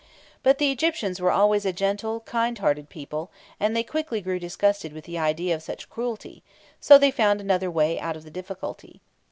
But the Egyptians were always a gentle, kind hearted people, and they quickly grew disgusted with the idea of such cruelty, so they found another way out of the difficulty.